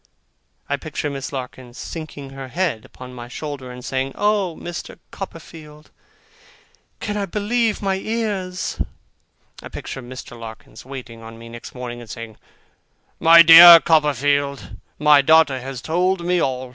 I picture Miss Larkins sinking her head upon my shoulder, and saying, 'Oh, Mr. Copperfield, can I believe my ears!' I picture Mr. Larkins waiting on me next morning, and saying, 'My dear Copperfield, my daughter has told me all.